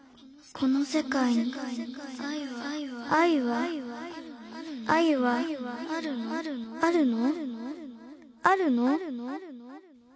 この世界に愛はあるの？